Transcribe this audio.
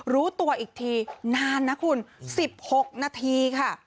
รู้ตัวอีกทีนานนะคุณ๑๖นาทีค่ะ